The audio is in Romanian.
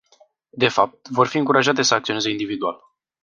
De fapt, vor fi încurajate să acționeze individual.